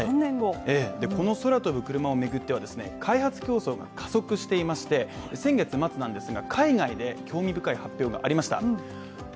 この空飛ぶクルマを巡っては開発競争が加速していまして先月末なんですが海外で興味深い発表がありました。